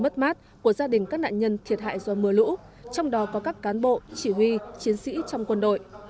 các nạn nhân thiệt hại do mưa lũ trong đó có các cán bộ chỉ huy chiến sĩ trong quân đội